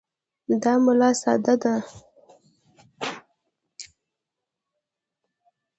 دا املا ساده ده.